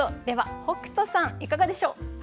では北斗さんいかがでしょう？